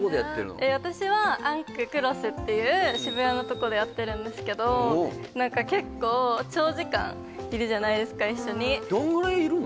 えっ私はアンク・クロスっていう渋谷のとこでやってるんですけど何か結構長時間いるじゃないですか一緒にどんぐらいいるの？